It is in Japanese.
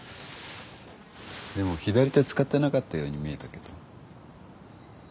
でも左手使ってなかったように見えたけど。